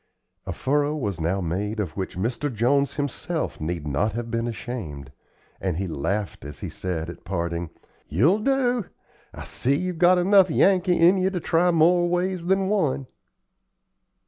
A furrow was now made of which Mr. Jones himself need not have been ashamed; and he laughed as he said, at parting "You'll do. I see you've got enough Yankee in you to try more ways than one."